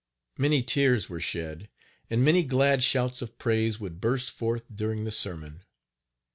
Many tears were shed, and many glad shouts of praise would burst forth during the sermon.